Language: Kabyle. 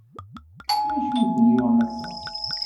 D acu i k-yuɣen a Tom?